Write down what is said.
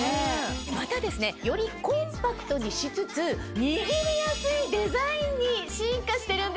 またよりコンパクトにしつつ握りやすいデザインに進化してるんですよ。